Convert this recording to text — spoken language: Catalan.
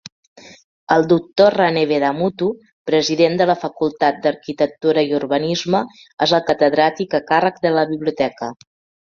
El doctor Ranee Vedamuthu, president de la Facultat d'Arquitectura i Urbanisme, és el catedràtic a càrrec de la biblioteca.